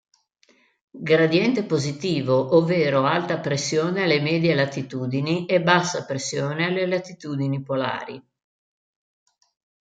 Gradiente positivo ovvero alta pressione alle medie latitudini e bassa pressione alla latitudini polari.